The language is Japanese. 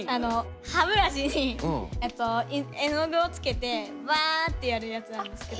歯ブラシに絵の具をつけてバってやるやつなんですけど。